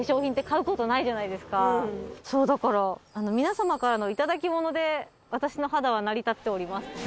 そうだから皆様からの頂き物で私の肌は成り立っております。